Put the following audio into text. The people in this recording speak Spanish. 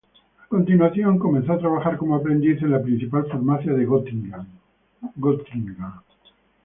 A continuación empezó a trabajar como aprendiz en la principal farmacia de Gotinga.